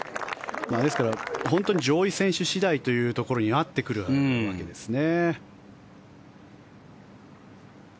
ですから、本当に上位選手次第というところになってくるわけですね。